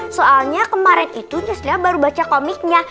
soalnya kemarin itu justru ya baru baca komiknya